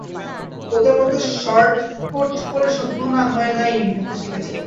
তোদের মত শার্ট-কোট পরে সভ্য না-হয় নাই হতে শিখেছে।